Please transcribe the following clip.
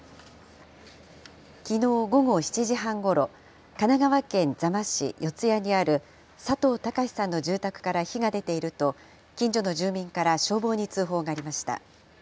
きのう午後７時半ごろ、神奈川県座間市四ツ谷にある佐藤孝さんの住宅から火が出ていると、近所の住民から消防に通報がありました。